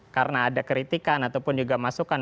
karena ada kritikan ataupun juga masukan